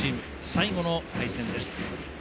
最後の対戦です。